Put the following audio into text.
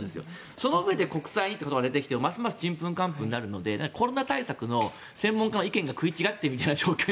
そのうえで国債って言葉が出てきてもちんぷんかんぷんなのでコロナ対策の専門家の意見が食い違ってみたいな状況が。